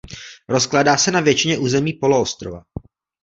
Rozkládá se na většině území poloostrova.